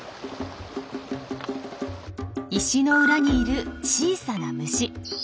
石の裏にいる小さな虫。